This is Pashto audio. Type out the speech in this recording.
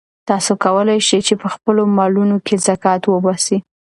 تاسو کولای شئ چې په خپلو مالونو کې زکات وباسئ.